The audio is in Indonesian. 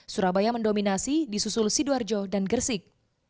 surabaya mendominasi disusul sidoarjo dan gersik